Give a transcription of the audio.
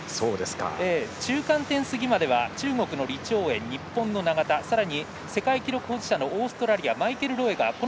中間点過ぎまでは李朝燕日本の永田さらに、世界記録保持者のオーストラリアのマイケル・ロエガー。